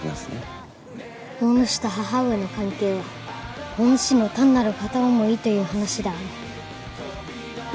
おぬしと母上の関係はおぬしの単なる片思いという話であろう？